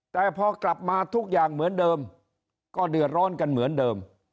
แต่พอกลับมาทุกอย่างเหมือนเดิมก็เดือดร้อนกันเหมือนเดิม